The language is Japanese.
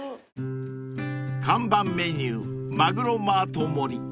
［看板メニューマグロマート盛り］